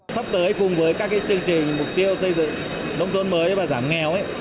sắp tới cùng với các chương trình mục tiêu xây dựng nông thôn mới và giảm nghèo